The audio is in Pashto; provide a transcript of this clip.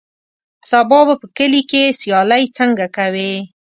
سبا به په کلي کې سیالۍ څنګه کوې.